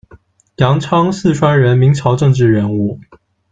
杨昌，四川人，明朝政治人物。